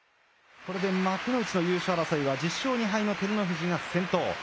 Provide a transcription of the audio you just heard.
これで幕内の優勝争いは１０勝２敗の照ノ富士が先頭。